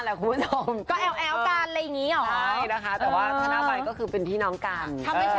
ถ้าหน้าไปก็คือเป็นที่น้องกัน